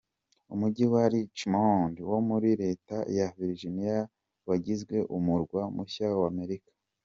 Umujyi wa Richmond wo muri Leta ya Virginia wagizwe umurwa mushya wa Amerika.